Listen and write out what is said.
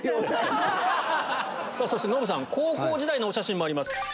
そしてノブさん高校時代のお写真もあります。